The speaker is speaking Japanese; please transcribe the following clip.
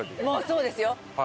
そうですよ。